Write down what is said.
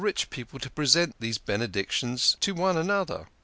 rich people to present these Benedictions to one another.